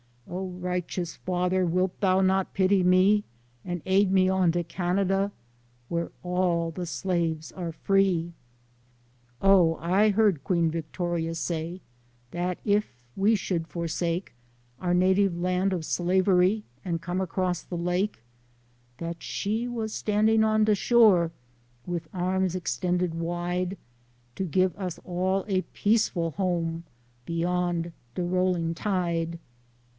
Oh, righteous Father, wilt thou not pity me, And aid me on to Canada where all the slaves are free. Oh, I heard Queen Victoria say, That if we would forsake Our native land of slavery, And come across the lake ; That she was standin' on de shore, Wid arms extended wide, To give us all a peaceful home Beyond de rolling tide.